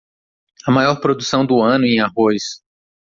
A maior produção do ano em arroz.